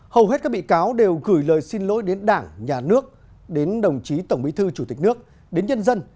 hầu hết các bị cáo đều gửi lời xin lỗi đến đảng nhà nước đến đồng chí tổng bí thư chủ tịch nước đến nhân dân